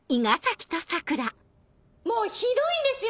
もうひどいんですよ